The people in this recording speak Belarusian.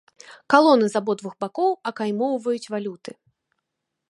Калоны з абодвух бакоў акаймоўваюць валюты.